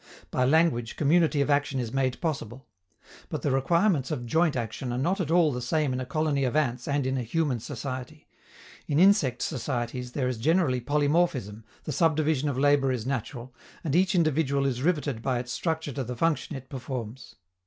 By language community of action is made possible. But the requirements of joint action are not at all the same in a colony of ants and in a human society. In insect societies there is generally polymorphism, the subdivision of labor is natural, and each individual is riveted by its structure to the function it performs.